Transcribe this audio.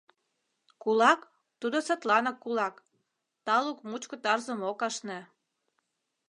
Кулак — тудо садланак кулак, талук мучко тарзым ок ашне.